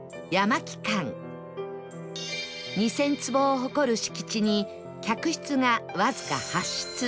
２０００坪を誇る敷地に客室がわずか８室